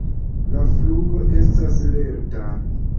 La flugo estas lerta.